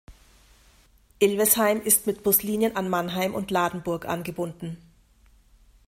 Ilvesheim ist mit Buslinien an Mannheim und Ladenburg angebunden.